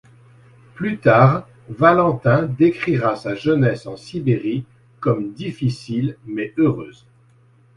Plus tard, Valentin décrira sa jeunesse en Sibérie comme difficile, mais heureuse.